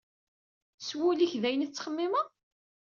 S wul-ik d ayen i tettxemmeḍ?